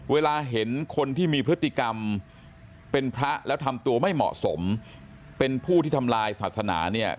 เวลาเห็นคนที่มีพฤติกรรมเป็นพระแล้วทำตัวไม่เหมาะสมเป็นผู้ที่ทำลายศาสนาเนี่ย